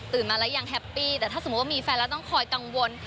มาแล้วยังแฮปปี้แต่ถ้าสมมุติว่ามีแฟนแล้วต้องคอยกังวล